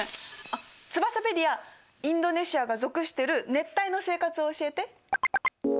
あっツバサペディアインドネシアが属してる熱帯の生活を教えて。